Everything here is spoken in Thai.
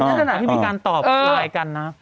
เพื่อนในระดับที่มีการตอบไลน์กันน่ะ